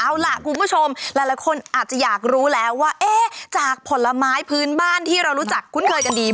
เอาล่ะคุณผู้ชมหลายคนอาจจะอยากรู้แล้วว่าเอ๊ะจากผลไม้พื้นบ้านที่เรารู้จักคุ้นเคยกันดี